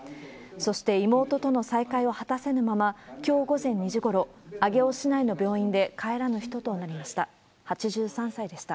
そして、妹との再会を果たせぬまま、きょう午前２時ごろ、上尾市内の病院で帰らぬ人となりました。